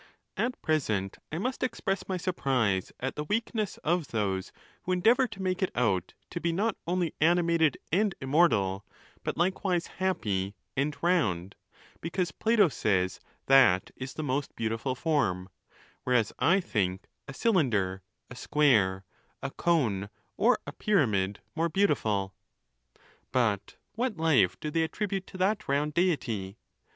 At present I must express my surprise at the weak ness of those who endeavor to make it out to be not only animated and immortal, but likewise happy, and round, because Plato says that is the most beautiful form ; where as I think a cylinder, a square, a cone, or a pyramid more beautiful. But what life do they attribute to that round Deity